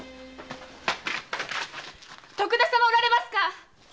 徳田様おられますか！